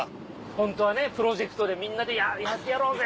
ホントはねプロジェクトでみんなでやってやろうぜ！